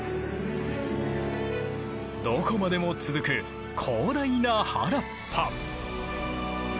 どこまでも続く広大な原っぱ。